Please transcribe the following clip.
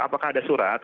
apakah ada surat